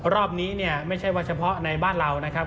รอบนี้เนี่ยไม่ใช่ว่าเฉพาะในบ้านเรานะครับ